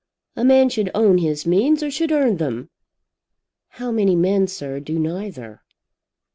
A man should own his means or should earn them." "How many men, sir, do neither?"